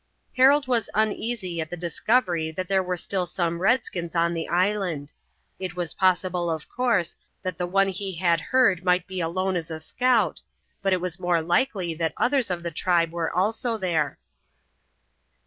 Harold was uneasy at the discovery that there were still some redskins on the island. It was possible, of course, that the one he had heard might be alone as a scout, but it was more likely that others of the tribe were also there.